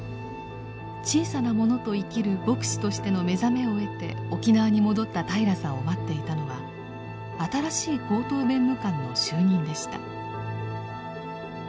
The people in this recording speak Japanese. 小さな者と生きる牧師としての目覚めを得て沖縄に戻った平良さんを待っていたのは新しい高等弁務官の就任でした。